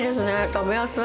食べやすい。